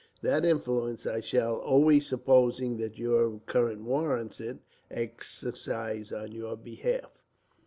That influence I shall, always supposing that your conduct warrants it, exercise on your behalf.